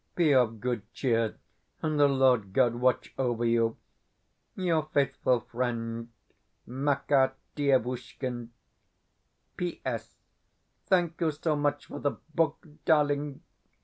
Be of good cheer, and the Lord God watch over you! Your faithful friend, MAKAR DIEVUSHKIN. P.S Thank you so much for the book, darling!